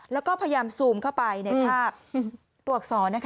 แล้วก็พยายามซูมเข้าไปในภาคตรวจสอน